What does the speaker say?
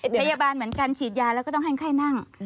พยาบาลเหมือนกันฉีดยาแล้วก็ต้องให้ไข้นั่ง